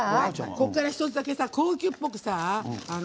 ここから一つだけ高級っぽくさ